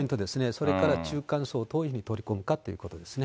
それから中間層をどういうふうに取り込むかということですね。